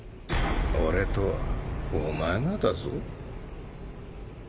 俺とお前がだぞ。